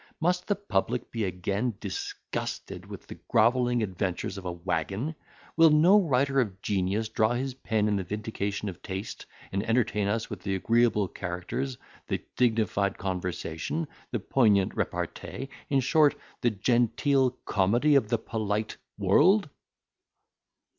Must the public be again disgusted with the grovelling adventures of a waggon? Will no writer of genius draw his pen in the vindication of taste, and entertain us with the agreeable characters, the dignified conversation, the poignant repartee, in short, the genteel comedy of the polite world?"